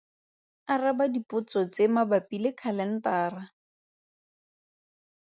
Araba dipotso tse mabapi le khalentara.